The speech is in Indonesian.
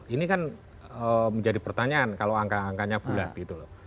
ini kan menjadi pertanyaan kalau angka angkanya bulat gitu loh